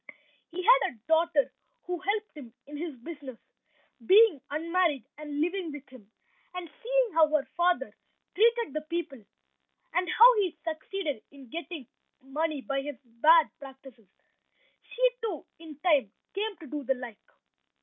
He had a daughter who helped him in his business, being unmarried and living with him, and seeing how her father treated the people, and how he succeeded in getting money by his bad practices, she, too, in time came to do the like.